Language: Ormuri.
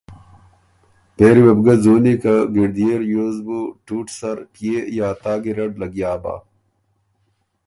پېری وه بو ګۀ ځُونی که ګِړديې ریوز بُو ټُوټ سر پيې یا تا ګیرډ لګیا بۀ۔